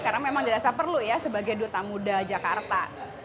karena memang dirasa perlu ya sebagai duta muda jakarta